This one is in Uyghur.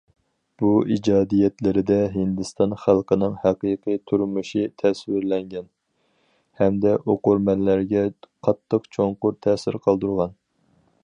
بۇ ئىجادىيەتلىرىدە ھىندىستان خەلقىنىڭ ھەقىقىي تۇرمۇشى تەسۋىرلەنگەن، ھەمدە ئوقۇرمەنلەرگە قاتتىق چوڭقۇر تەسىر قالدۇرغان.